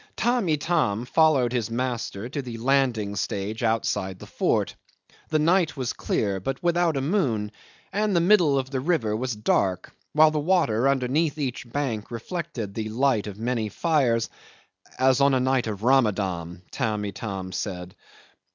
'Tamb' Itam followed his master to the landing stage outside the fort. The night was clear but without a moon, and the middle of the river was dark, while the water under each bank reflected the light of many fires "as on a night of Ramadan," Tamb' Itam said.